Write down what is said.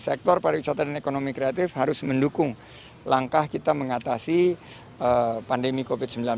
sektor pariwisata dan ekonomi kreatif harus mendukung langkah kita mengatasi pandemi covid sembilan belas